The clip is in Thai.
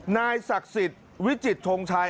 นายศักดิ์สิทธิ์วิจิตทงชัย